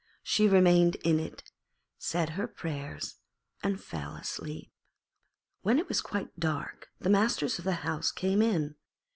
She remained in it, said her prayers, and fell asleep. When it was quite dark the masters of the house came in.